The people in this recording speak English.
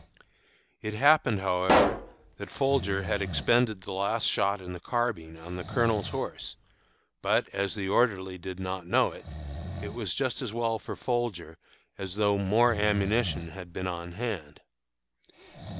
It happened, however, that Folger had expended the last shot in the carbine on the Colonel's horse; but, as the orderly did not know it, it was just as well for Folger as though more ammunition had been on hand.